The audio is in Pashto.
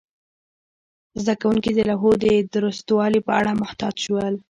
زده کوونکي د لوحو د درستوالي په اړه محتاط شول.